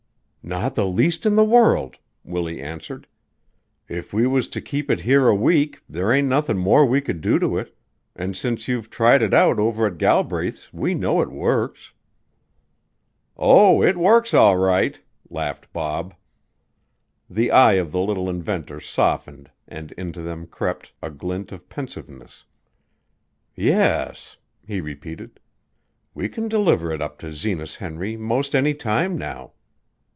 "Not the least in the world," Willie answered. "If we was to keep it here a week there ain't nothin' more we could do to it, an' since you've tried it out over at Galbraith's we know it works." "Oh, it works all right!" laughed Bob. The eyes of the little inventor softened and into them crept a glint of pensiveness. "Yes," he repeated, "we can deliver it up to Zenas Henry 'most anytime now."